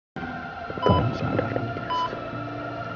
kita langsung ke rumah sakit